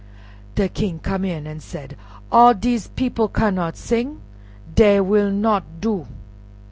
De King came in an' said, "All dese people cannot sing; dey will not do."